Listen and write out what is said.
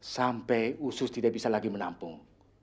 sampai usus tidak bisa lagi menampung